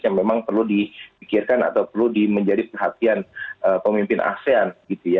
yang memang perlu dipikirkan atau perlu menjadi perhatian pemimpin asean gitu ya